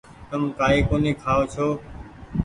تم ڪآئي ڪونيٚ کآئو ڇو۔